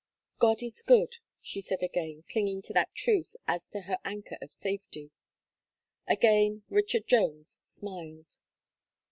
"God is good," she said again, clinging to that truth as to her anchor of safety. Again Richard Jones smiled.